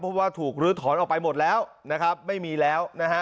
เพราะว่าถูกลื้อถอนออกไปหมดแล้วนะครับไม่มีแล้วนะฮะ